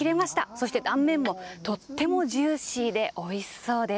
そして断面もとってもジューシーでおいしそうです。